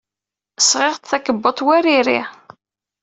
Sɣiɣ-d takebbuḍt war iri.